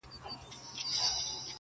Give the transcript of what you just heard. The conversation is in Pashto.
چي وهل یې د سیند غاړي ته زورونه،